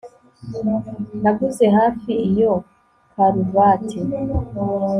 naguze hafi iyo karuvati